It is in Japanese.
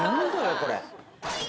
これ。